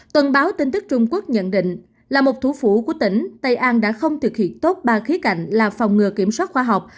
tuần báo tin tức trung quốc nhận định là một thủ phủ của tỉnh tây an đã không thực hiện tốt ba khía cạnh là phòng ngừa kiểm soát khoa học